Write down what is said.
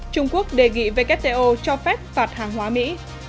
trung quốc đề nghị wto cho phép phạt hàng hóa mỹ